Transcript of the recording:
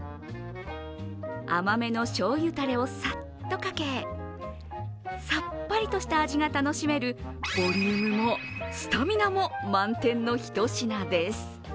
甘めのしょうゆたれをさっとかけさっぱりとした味が楽しめるボリュームも、スタミナも満点の一品です。